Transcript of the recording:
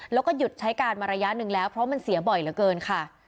แล้วก็หยุดใช้การมาระยะหนึ่งแล้วเพราะมันเสียบ่อยเหลือเกินค่ะ